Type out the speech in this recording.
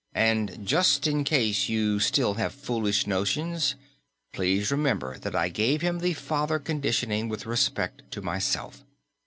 "And just in case you still have foolish notions, please remember that I gave him the father conditioning with respect to myself.